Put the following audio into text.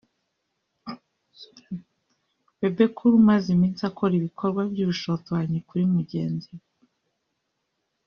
Bebe Cool umaze iminsi akora ibikorwa by’ubushotoranyi kuri mugenzi we